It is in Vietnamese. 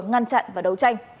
ngăn chặn và đấu tranh